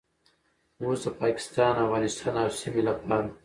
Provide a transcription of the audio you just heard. اوس د پاکستان، افغانستان او سیمې لپاره